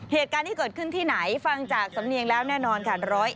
เหตุการณ์ที่เกิดขึ้นที่ไหนฟังจากสำเนียงแล้วแน่นอนค่ะ